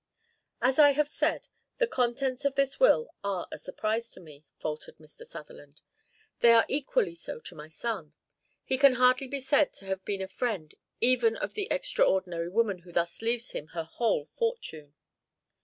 "As I have said, the contents of this will are a surprise to me," faltered Mr. Sutherland. "They are equally so to my son. He can hardly be said to have been a friend even of the extraordinary woman who thus leaves him her whole fortune."